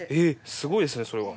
すごいですねそれは。